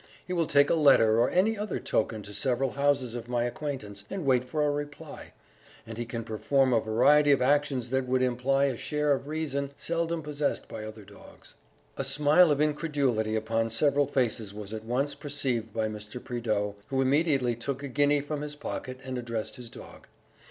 He will take a letter or any other token to several houses of my acquaintance, and wait for a reply; and he can perform a variety of actions that would imply a share of reason seldom possessed by other dogs." A smile of incredulity upon several faces was at once perceived by Mr. Prideaux, who immediately took a guinea from his pocket, and addressed his dog.